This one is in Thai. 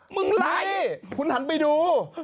มึงไรมันไม่คุณถันไปดู